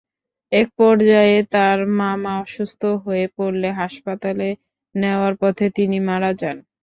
একপর্যায়ে তাঁর মামা অসুস্থ হয়ে পড়লে হাসপাতালে নেওয়ার পথে তিনি মারা যান।